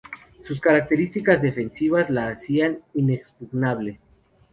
Sus características defensivas la hacían inexpugnable.